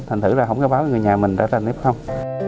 thành thử là không có báo cho người nhà mình ra ra nếp không